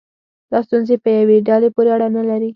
دا ستونزې په یوې ډلې پورې اړه نه لري.